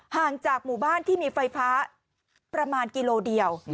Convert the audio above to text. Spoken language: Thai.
ห่างจากหมู่บ้านที่มีไฟฟ้าประมาณกิโลเดียว